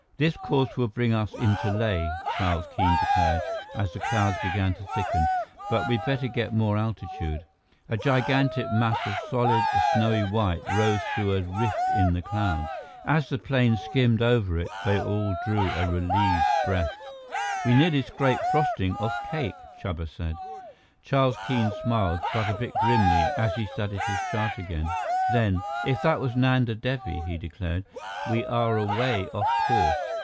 "This course will bring us into Leh," Charles Keene declared, as the clouds began to thicken, "but we'd better get more altitude." A gigantic mass of solid, snowy white rose through a rift in the clouds. As the plane skimmed over it, they all drew a relieved breath. "We nearly scraped frosting off cake," Chuba said. Charles Keene smiled, but a bit grimly, as he studied his chart again. Then: "If that was Nanda Devi," he declared, "we are away off course."